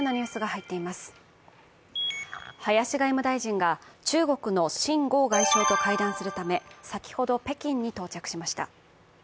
林外務大臣が中国の秦剛外相と会談するため先ほど北京に到着しました。